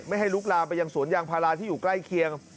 ให้ลุกลามไปยังสวนยางพาราที่อยู่ใกล้เคียง